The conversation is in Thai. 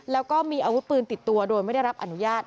แล้วก็มีอาวุธปืนติดตัวโดยไม่ได้รับอนุญาต